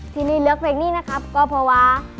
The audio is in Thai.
ที่นี่เลือกเพลงนี้นะครับก็เพราะว่า